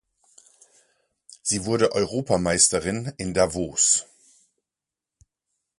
Sie wurde Europameisterin in Davos.